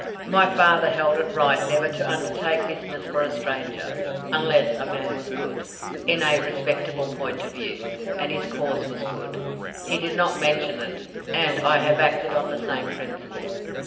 My father held it right never to undertake business for a stranger unless a man was good, in a respectable point of view, and his cause was good, he did not mention it and I have acted on the same principle.